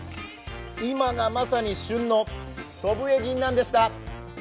今がまさに旬の、祖父江ぎんなんでした。